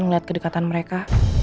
ngeliat kedekatan mereka